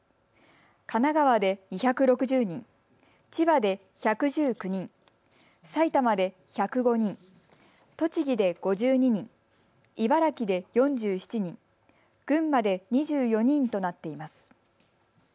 神奈川で２６０人、千葉で１１９人、埼玉で１０５人、栃木で５２人、茨城で４７人、群馬で２４人となっています。